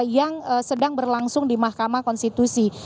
yang sedang berlangsung di mahkamah konstitusi